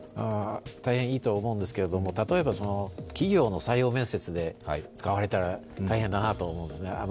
大変いいと思うんですけど、例えば企業の採用面接で使われたら大変だなと思いますね。